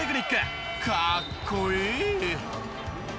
かっこいい！